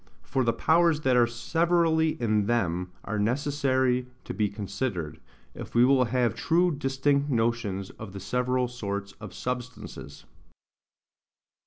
For the powers that are severally in them are necessary to be considered, if we will have true distinct notions of the several sorts of substances.